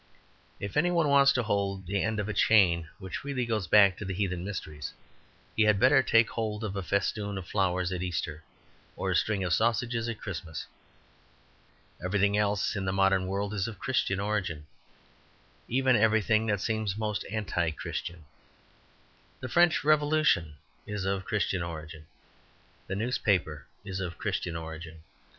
If any one wants to hold the end of a chain which really goes back to the heathen mysteries, he had better take hold of a festoon of flowers at Easter or a string of sausages at Christmas. Everything else in the modern world is of Christian origin, even everything that seems most anti Christian. The French Revolution is of Christian origin. The newspaper is of Christian origin.